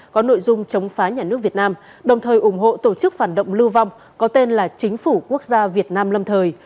có nội dung chống phá nhà nước việt nam đồng thời ủng hộ tổ chức phản động lưu vong có tên là chính phủ quốc gia việt nam lâm thời